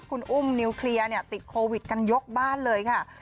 คุณอุ้มนิวเคลียร์เนี่ยติดโควิดกันยกบ้านเลยค่ะ